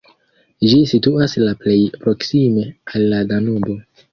Ĝi situas la plej proksime al la Danubo.